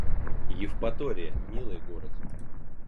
Евпатория — милый город